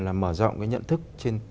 là mở rộng cái nhận thức